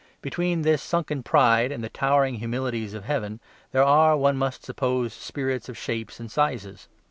Between this sunken pride and the towering humilities of heaven there are, one must suppose, spirits of shapes and sizes.